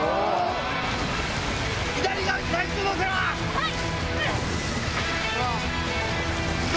はい！